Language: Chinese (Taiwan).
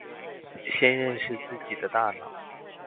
先認識自己的大腦